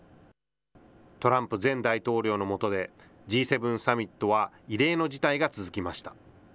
トランプ前大統領のもとで、Ｇ７サミットは異例の事態が続きました。